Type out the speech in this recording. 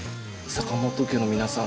坂本家の皆さん